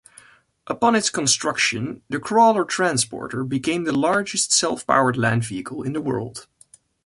Upon its construction, the crawler-transporter became the largest self-powered land vehicle in the world.